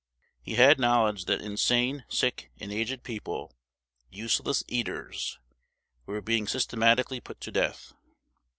He had knowledge that insane, sick, and aged people, "useless eaters", were being systematically put to death.